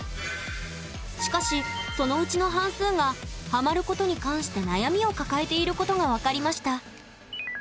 しかし、そのうちの半数がハマることに関して悩みを抱えていることが分かりました。